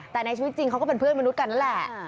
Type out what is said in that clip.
แต่ในชีวิตจริงเขาก็เป็นเพื่อนมนุษย์กันนั่นแหละ